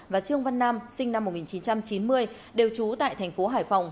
và trương văn nam sinh năm một nghìn chín trăm chín mươi đều trú tại thành phố hải phòng